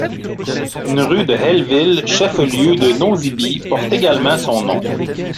Une rue de Hell-Ville, chef-lieu de Nosy Be, porte également son nom.